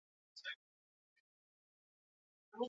Proba bakoitza kanporatzailea izango da.